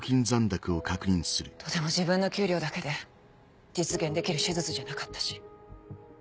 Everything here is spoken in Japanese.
とても自分の給料だけで実現できる手術じゃなかったし。